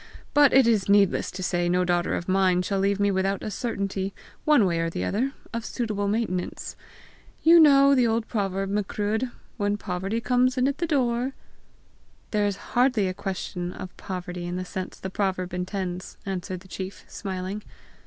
But it is needless to say no daughter of mine shall leave me without a certainty, one way or the other, of suitable maintenance. You know the old proverb, Macruadh, 'When poverty comes in at the door,' ?" "There is hardly a question of poverty in the sense the proverb intends!" answered the chief smiling.